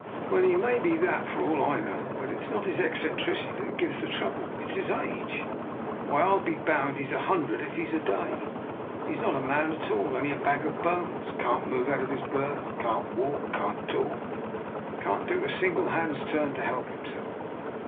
" Well, he may be that for all I know, but it's not his eccentricity that gives the trouble. It's his age! Why, Fll be bound he's a hundred if he's a day. He's not a man at all, only a bag of bones; can't move out of his berth, can't walk, can't talk, and can't do a single hand's turn to help himself.